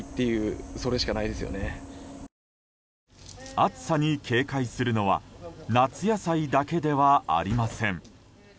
暑さに警戒するのは夏野菜だけではありません。